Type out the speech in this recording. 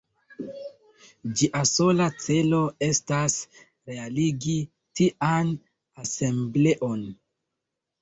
Ĝia sola celo estas realigi tian asembleon.